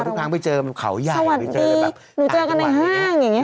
ทุกครั้งไปเจอเขาใหญ่แบบหนูเจอกันในห้างอย่างเงี้